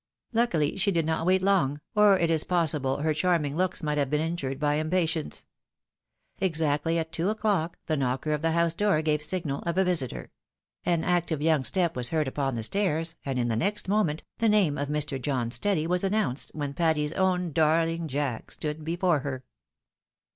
Luckily she did not wait long, or it is possible her charming looks might have been injured by impatience. Exactly at two o'clock, the knocker of the house door gave signal of a visitor ; an active young step was heard upon the stairs, and in the next moment, the name of " Mr. John Steady " was announced, when Patty's " own darling Jack " stood before her.